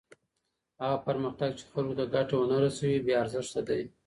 هغه پرمختګ چی خلګو ته ګټه ونه رسوي بې ارزښته دی.